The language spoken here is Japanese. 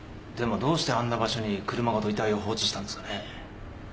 でもどうしてあんな場所に車ごと遺体を放置したんですかね？